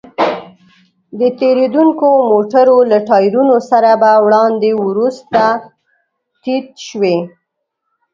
د تېرېدونکو موټرو له ټايرونو سره به وړاندې وروسته تيت شوې.